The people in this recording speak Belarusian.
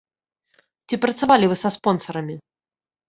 Ці працавалі вы са спонсарамі?